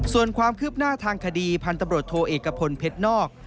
ส่วนความคืบหน้าทางคดีพันธุ์ตำรวจโทเอกพลเพชรนอก